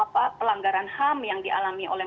apa pelanggaran ham yang dialami oleh